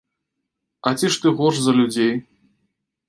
А ці ж ты горш за людзей?